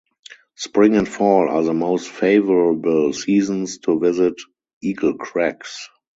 Spring and fall are the most favorable seasons to visit Eagle Crags.